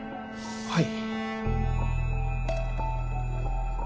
はい。